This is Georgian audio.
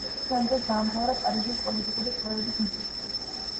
შემდეგ დაამთავრა პარიზის პოლიტიკური კვლევების ინსტიტუტი.